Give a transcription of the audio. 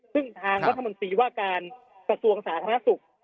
ซึ่งทางวัฒนบนศรีว่าการสะสวงสาธารณสุข